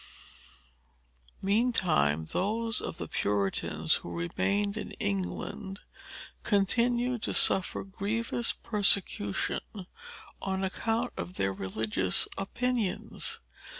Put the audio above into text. Meantime, those of the Puritans who remained in England continued to suffer grievous persecution on account of their religious opinions.